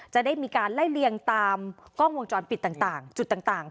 จะได้มีการไล่เลียงตามกล้องวงจรปิดต่างจุดต่าง